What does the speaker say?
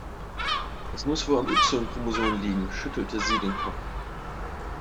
Es muss wohl am Y-Chromosom liegen, schüttelte sie den Kopf.